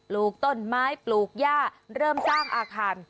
ลูกต้นไม้ปลูกย่าเริ่มสร้างอาคาร